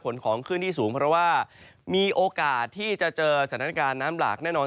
ของขึ้นที่สูงเพราะว่ามีโอกาสที่จะเจอสถานการณ์น้ำหลากแน่นอน